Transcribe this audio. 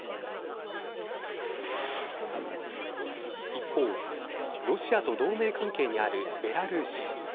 一方、ロシアと同盟関係にあるベラルーシ。